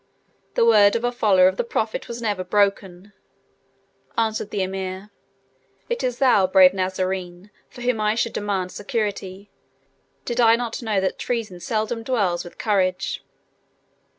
"The word of a follower of the Prophet was never broken," answered the Emir. "It is thou, brave Nazarene, from whom I should demand security, did I not know that treason seldom dwells with courage."